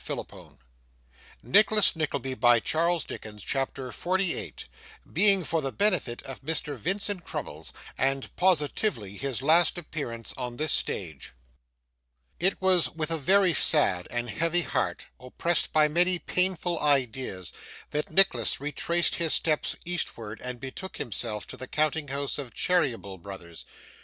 Oh! we may wait with confidence for this day week.' CHAPTER 48 Being for the Benefit of Mr. Vincent Crummles, and positively his last Appearance on this Stage It was with a very sad and heavy heart, oppressed by many painful ideas, that Nicholas retraced his steps eastward and betook himself to the counting house of Cheeryble Brothers.